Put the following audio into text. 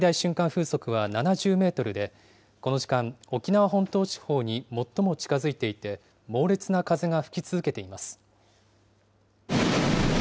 風速は７０メートルで、この時間、沖縄本島地方に最も近づいていて、猛烈な風が吹き続けています。